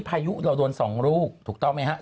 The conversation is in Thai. พายุเราโดน๒ลูกถูกต้องไหมครับ